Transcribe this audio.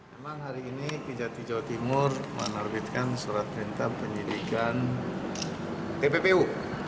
memang hari ini kejati jawa timur menerbitkan surat perintah penyidikan tppu